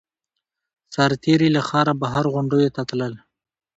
سرتېري له ښاره بهر غونډیو ته تلل.